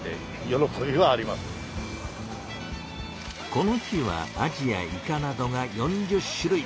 この日はアジやイカなどが４０種類。